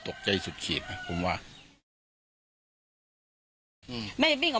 ในคลิปเห็นว่าผงะ